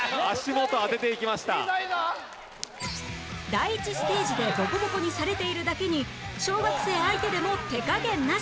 第１ステージでボコボコにされているだけに小学生相手でも手加減なし！